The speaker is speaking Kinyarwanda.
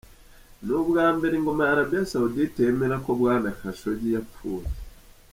Ni ubwa mbere ingoma ya Arabie Saoudite yemera ko Bwana Khashoggi yapfuye.